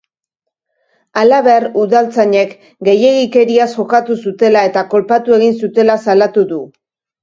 Halaber, udaltzainek gehiegikeriaz jokatu zutela eta kolpatu egin zutela salatu du.